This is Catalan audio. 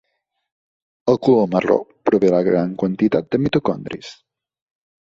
El color marró prové de la gran quantitat de mitocondris.